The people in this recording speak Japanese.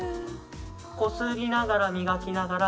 こすりながら、磨きながら。